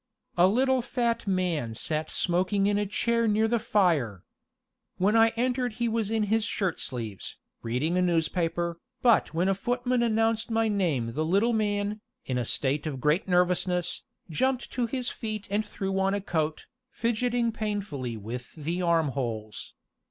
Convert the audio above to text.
A little fat man sat smoking in a chair near the fire. When I entered he was in his shirt sleeves, reading a newspaper, but when a footman announced my name the little man, in a state of great nervousness, jumped to his feet and threw on a coat, fidgeting painfully with the armholes.